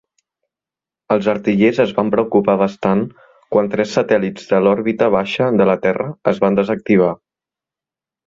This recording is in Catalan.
Els artillers es van preocupar bastant quan tres satèl·lits de l'òrbita baixa de la Terra es van desactivar.